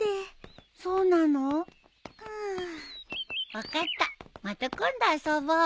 分かったまた今度遊ぼう。